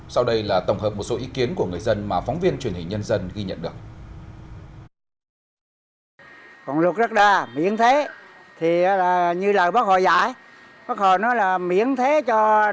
sau đây là tổng hợp một số ý kiến của người dân mà phóng viên truyền hình nhân dân ghi nhận được